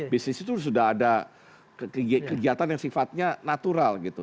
bisnis itu sudah ada kegiatan yang sifatnya natural gitu